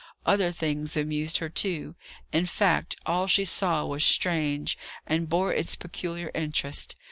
Other things amused her, too; in fact, all she saw was strange, and bore its peculiar interest.